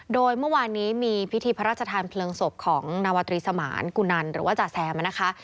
โดยเมื่อวานนี้มีพิธีพระราชทานเพลิงศพของนาวตรีสมานกุนันหรือว่าจ๋าแซมนะคะ